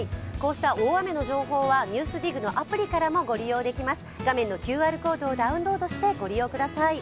大雨の情報は「ＮＥＷＳＤＩＧ」のアプリからもご利用いただけます。